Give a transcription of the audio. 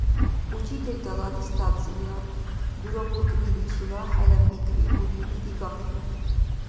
Учителтала аттестация дурабуркӀниличила хӀела пикри бурили дигахъира.